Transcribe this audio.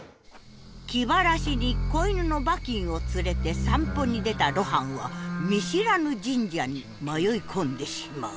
気晴らしに子犬のバキンを連れて散歩に出た露伴は見知らぬ神社に迷い込んでしまう。